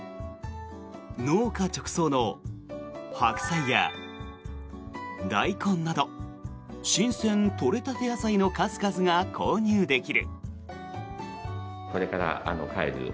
農家直送のハクサイやダイコンなど新鮮取れたて野菜の数々が購入できる。